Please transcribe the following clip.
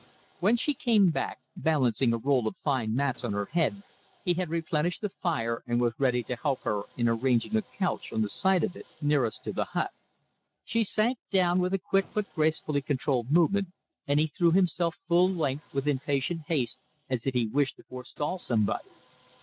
When she came back, balancing a roll of fine mats on her head, he had replenished the fire and was ready to help her in arranging a couch on the side of it nearest to the hut. She sank down with a quick but gracefully controlled movement, and he threw himself full length with impatient haste, as if he wished to forestall somebody.